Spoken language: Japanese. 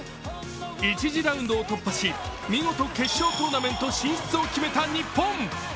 １次ラウンドを突破し見事、決勝進出を決めた日本。